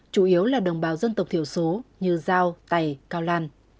chủ yếu là đồng bào dân tộc thiểu số như dao tày cao lan